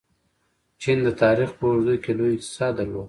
چین د تاریخ په اوږدو کې لوی اقتصاد درلود.